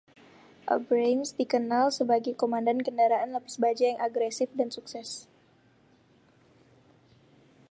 Abrams dikenal sebagai komandan kendaraan lapis baja yang agresif dan sukses.